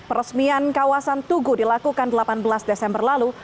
peresmian kawasan tugu dilakukan delapan belas desember lalu